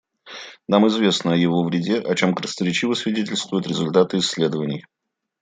Нам известно о его вреде, о чем красноречиво свидетельствуют результаты исследований.